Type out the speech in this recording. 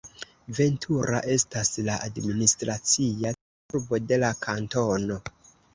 Ventura estas la administracia ĉefurbo de la kantono.